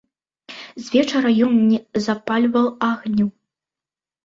Звечара ён не запальваў агню.